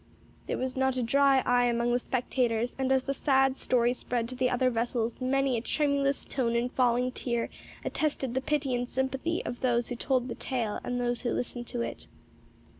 There was not a dry eye among the spectators, and as the sad story spread to the other vessels many a tremulous tone and falling tear attested the pity and sympathy of those who told the tale and those who listened to it.